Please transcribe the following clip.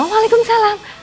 ah nino waalaikumsalam